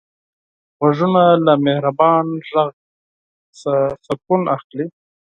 غوږونه له مهربان غږ نه سکون اخلي